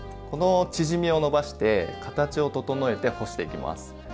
この縮みを伸ばして形を整えて干していきます。